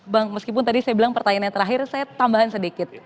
bang meskipun tadi saya bilang pertanyaannya terakhir saya tambahan sedikit